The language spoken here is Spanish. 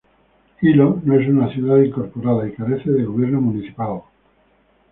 Hilo no es una ciudad incorporada, y carece de gobierno municipal.